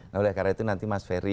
nah oleh karena itu nanti mas ferry